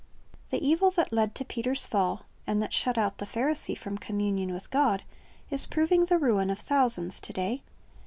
The evil that led to Peter's fall, and that shut out the Pharisee from communion with God, is proving the ruin of thousands to day.